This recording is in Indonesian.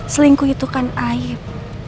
selingkuh itu kan aib